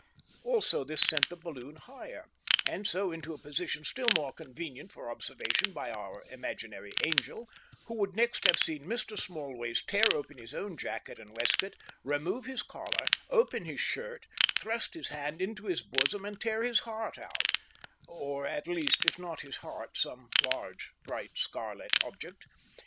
Also this sent the balloon higher, and so into a position still more convenient for observation by our imaginary angel who would next have seen Mr. Smallways tear open his own jacket and waistcoat, remove his collar, open his shirt, thrust his hand into his bosom, and tear his heart out or at least, if not his heart, some large bright scarlet object.